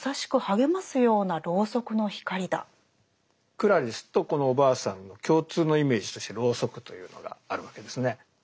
クラリスとこのおばあさんの共通のイメージとしてロウソクというのがあるわけですね。